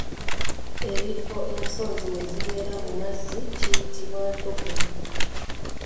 Ebifo ensonzi mwe zibeera mu mazzi kiyitibwa Ntogero.